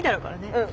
うん。